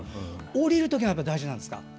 下りるときが大事なんですか。